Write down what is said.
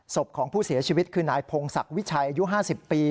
ศพของผู้เสียชีวิตคือนายพงศักดิ์วิชัยอายุ๕๐ปี